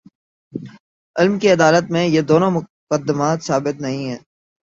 علم کی عدالت میں، یہ دونوں مقدمات ثابت نہیں ہیں۔